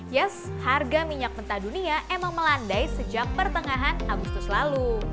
yes harga minyak mentah dunia emang melandai sejak pertengahan agustus lalu